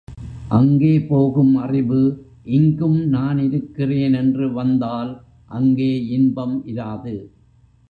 அங்கே போகும் அறிவு இங்கும் நான் இருக்கிறேன் என்று வந்தால் அங்கே இன்பம் இராது.